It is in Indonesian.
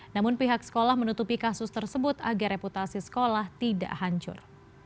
namun pihak sekolah menutupi kasus tersebut agar reputasi sekolah tidak hancur